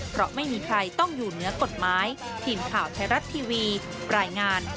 เพราะไม่มีใครต้องอยู่เนื้อกฎหมาย